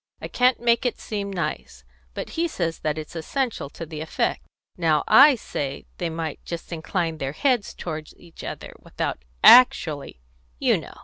I can't make it seem nice. But he says that it's essential to the effect. Now I say that they might just incline their heads toward each other without actually, you know.